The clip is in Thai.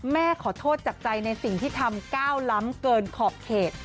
แม่ขอโทษจากใจในสิ่งที่ทำก้าวล้ำเกินขอบเขต